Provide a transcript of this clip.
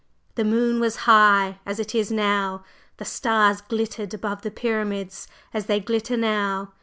The moon was high, as it is now! the stars glittered above the Pyramids, as they glitter now!